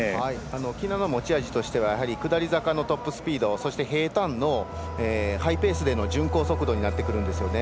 喜納の持ち味としては下り坂のトップスピードそして平たんのハイペースでの巡行速度になってくるんですよね。